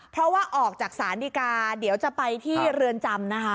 เพราะว่าออกจากศาลดีกาเดี๋ยวจะไปที่เรือนจำนะคะ